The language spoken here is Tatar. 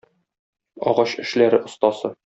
Агач эшләре остасы